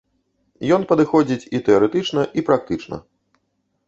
Ён падыходзіць і тэарэтычна, і практычна.